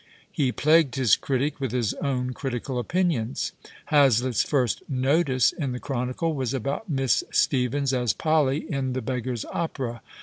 He plagued his critic with his own critical opinions. IlazIiLts first " notice " in the Chronicle was about Miss Stephens as Polly in The Beggar s Opera.